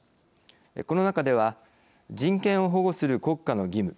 この中では人権を保護する国家の義務